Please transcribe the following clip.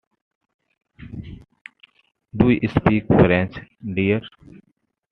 Do you speak French, dear?